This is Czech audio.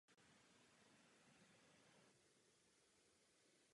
Generativní orgány bývají navíc zpravidla mimo běžný dosah.